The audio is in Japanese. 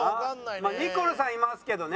まあニコルさんいますけどね。